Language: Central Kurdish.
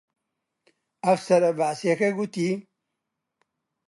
ئەفسەرە بەعسییەکە گوتی: